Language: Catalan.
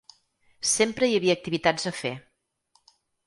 Sempre hi havia activitats a fer.